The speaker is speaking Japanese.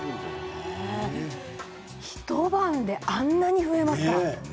一晩であんなに増えるんですか？